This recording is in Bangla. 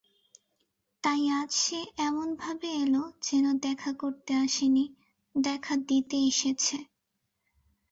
তাই আজ সে এমনভাবে এল যেন দেখা করতে আসে নি, দেখা দিতে এসেছে।